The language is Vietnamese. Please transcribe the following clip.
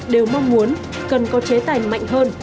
đều mong muốn cần có chế tài mạnh hơn